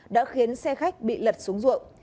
đã khiến xe khách bị lật xuống ruộng